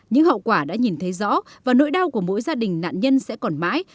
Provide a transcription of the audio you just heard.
những hậu quả đã nhìn thấy rõ và nỗi đau của mỗi gia đình nạn nhân sẽ còn mãi